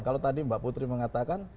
kalau tadi mbak putri mengatakan